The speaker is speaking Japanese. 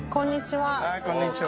はいこんにちは。